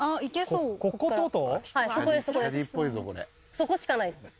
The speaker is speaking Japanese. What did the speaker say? そこしかないです。